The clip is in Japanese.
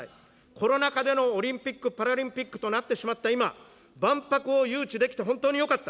コロナ禍でのオリンピック・パラリンピックとなってしまった今、万博を誘致できて本当によかった。